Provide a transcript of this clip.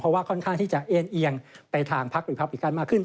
เพราะว่าค่อนข้างที่จะเอ็นเอียงไปทางพักหรือพักอีกกันมากขึ้น